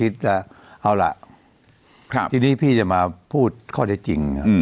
ทีนี้พี่จะมาพูดข้อเท็จจริง